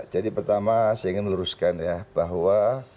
jadi pertama saya ingin meluruskan ya bahwa